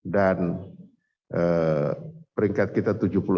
dan peringkat kita tujuh puluh enam